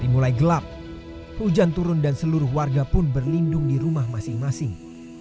dimulai gelap hujan turun dan seluruh warga pun berlindung di rumah masing masing